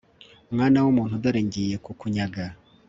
mwana w umuntu dore ngiye kukunyaga